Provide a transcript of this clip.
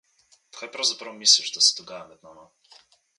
Kaj pravzaprav misliš, da se dogaja med nama?